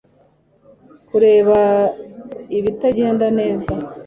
kureba ibitagenda neza